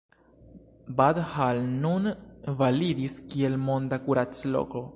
Bad Hall nun validis kiel „monda kuracloko“.